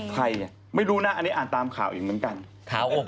ใครอันนี้อ่านตามข่าวอีกเหมือนกันไม่รู้นะ